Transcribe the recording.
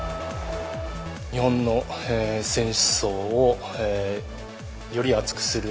日本の選手層をより厚くする。